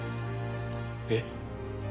えっ？